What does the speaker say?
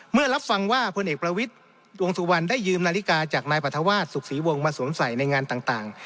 เมื่อรับฟังว่าพลเอกประวิทวงศุกร์วันได้ยืมนาฬิกาจากนายปัฒนาวาสสุขศรีวงมาสวมใสใสในงานต่าง